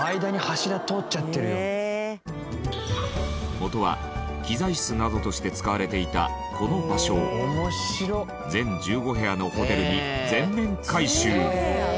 もとは機材室などとして使われていたこの場所を全１５部屋のホテルに全面改修。